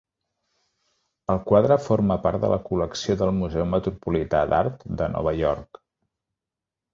El quadre forma part de la col·lecció del Museu Metropolità d'Art de Nova York.